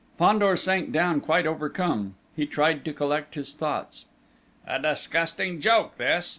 Fandor sank down quite overcome. He tried to collect his thoughts. "A disgusting joke this!